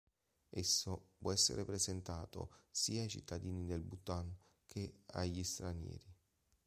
Esso può essere presentato sia a i cittadini del Bhutan che agli stranieri.